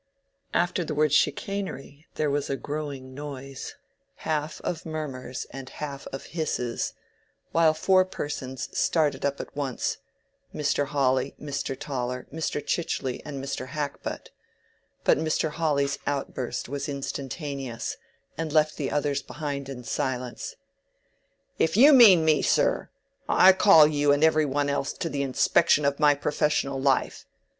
After the word chicanery there was a growing noise, half of murmurs and half of hisses, while four persons started up at once—Mr. Hawley, Mr. Toller, Mr. Chichely, and Mr. Hackbutt; but Mr. Hawley's outburst was instantaneous, and left the others behind in silence. "If you mean me, sir, I call you and every one else to the inspection of my professional life.